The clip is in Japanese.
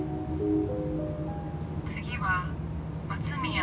次は松宮。